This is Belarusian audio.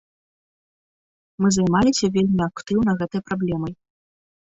Мы займаліся вельмі актыўна гэтай праблемай.